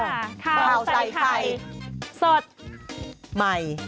สวัสดีครับคราวใส่ไข่สดใหม่